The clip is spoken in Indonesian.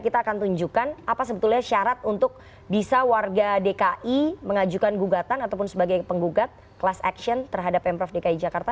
kita akan tunjukkan apa sebetulnya syarat untuk bisa warga dki mengajukan gugatan ataupun sebagai penggugat class action terhadap pemprov dki jakarta